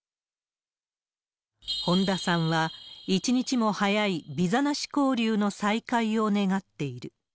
本田さんは、一日も早いビザなし交流の再開を願っている。